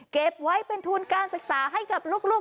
เก็บไว้เป็นทุนการศึกษาให้กับลูก